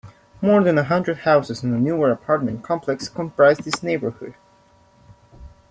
More than a hundred houses and a newer apartment complex comprise this neighborhood.